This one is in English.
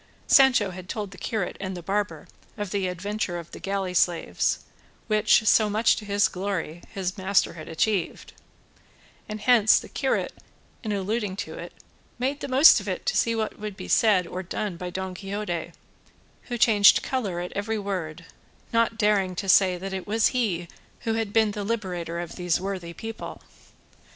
Sancho had told the curate and the barber of the adventure of the galley slaves, which, so much to his glory, his master had achieved, and hence the curate in alluding to it made the most of it to see what would be said or done by Don Quixote; who changed colour at every word, not daring to say that it was he who had been the liberator of those worthy people.